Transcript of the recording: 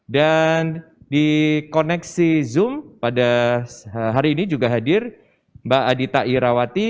dan di koneksi zoom pada hari ini juga hadir mbak adita irawati